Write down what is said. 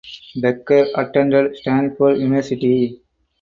Becker attended Stanford University.